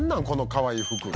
このかわいい服。